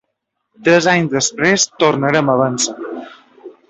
Tres anys després, tornarem a vèncer.